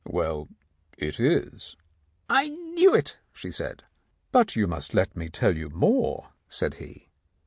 "Well, it is." "I knew it," she said. "But you must let me tell you more," said he.